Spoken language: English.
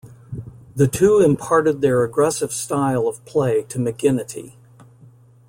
The two imparted their aggressive style of play to McGinnity.